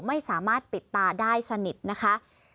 ไม่สามารถปิดตาได้สนิทนะคะ